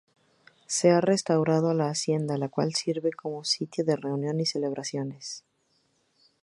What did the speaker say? Se ha restaurado la hacienda, la cual sirve como sitio de reunión y celebraciones.